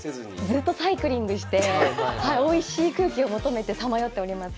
ずっとサイクリングしておいしい空気を求めてさまよっております。